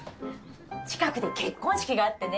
近くで結婚式があってね